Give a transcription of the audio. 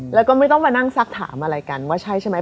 แล้วก็ไม่ต้องมานั่งซักถามอะไรกันว่าใช่ใช่ไหม